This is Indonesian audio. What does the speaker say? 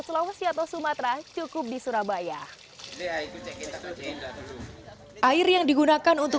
sulawesi atau sumatera cukup di surabaya air yang digunakan untuk